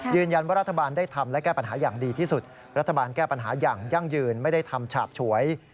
รัฐบาลได้ทำและแก้ปัญหาอย่างดีที่สุดรัฐบาลแก้ปัญหาอย่างยั่งยืนไม่ได้ทำฉาบฉวย